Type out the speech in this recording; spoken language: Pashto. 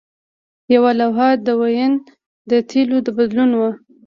یوه لوحه د وین د تیلو د بدلون وه